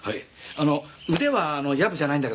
あの腕はヤブじゃないんだけどね。